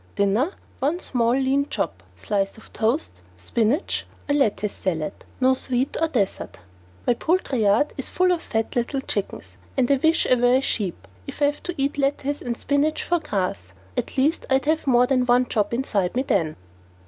"Dinner, one small lean chop, slice of toast, spinach or lettuce salad. No dessert or sweet." My poultry yard is full of fat little chickens, and I wish I were a sheep if I have to eat lettuce and spinach for grass. At least I'd have more than one chop inside me then.